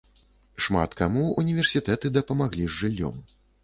Шмат каму універсітэты дапамагалі з жыллём.